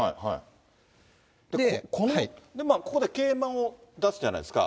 これ、ここで桂馬を出すじゃないですか。